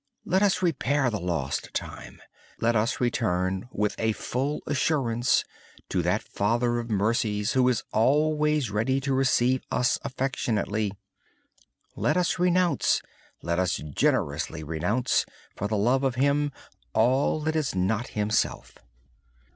Let us repair the lost time. Let us return with full assurance to that Father of mercies, who is always ready to receive us affectionately. Let us generously renounce, for the love of Him, all that is not Himself.